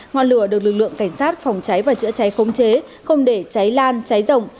ngọn lửa được lực lượng cảnh sát phòng cháy và chữa cháy khống chế không để cháy lan cháy rộng